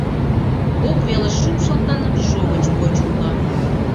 Кок велыш шупшылтын, шовыч почылто.